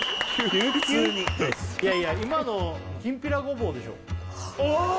普通にいやいや今の「きんぴらごぼう」でしょああ！